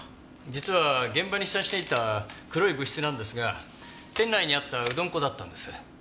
実は現場に飛散していた黒い物質なんですが店内にあったうどん粉だったんです。